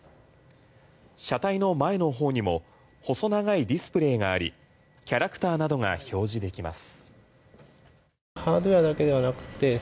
車体の前の方にも細長いディスプレイがありキャラクターなどが表示できます。